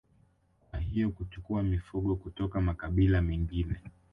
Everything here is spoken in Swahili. Kwa hiyo kuchukua mifugo kutoka makabila mengine